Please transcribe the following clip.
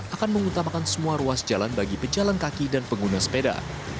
akan mengutamakan semua ruas jalan bagi pejalan kaki dan pengguna sepeda